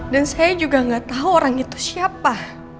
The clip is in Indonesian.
dan saya juga nggak tahu orang itu siapa